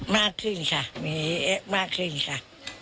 มากขึ้นค่ะมากขึ้นค่ะ